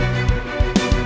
ya kita berhasil